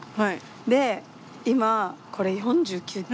で今これ４９期。